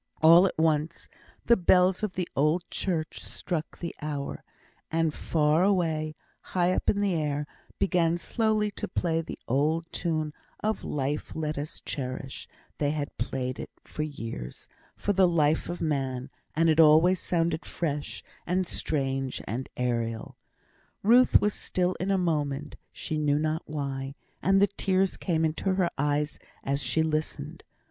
All at once, the bells of the old church struck the hour; and far away, high up in the air, began slowly to play the old tune of "Life let us cherish;" they had played it for years for the life of man and it always sounded fresh and strange and aërial. Ruth was still in a moment, she knew not why; and the tears came into her eyes as she listened.